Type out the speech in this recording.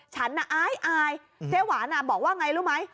ฉันน่ะอายเจ๊หวานบอกว่าไงรู้ไหม